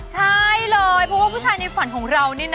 ใช่เลยเพราะว่าผู้ชายในฝันของเรานี่นะ